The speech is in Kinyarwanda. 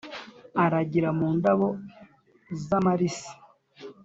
Aragira mu ndabo z’amalisi.